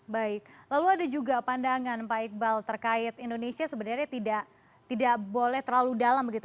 baik lalu ada juga pandangan pak iqbal terkait indonesia sebenarnya tidak boleh terlalu dalam begitu